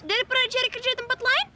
daripada cari kerja di tempat lain